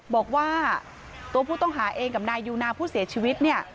บอกว่าตัวผู้ต้องหาเองกับนายยูนาผู้เสียชีวิตเนี่ย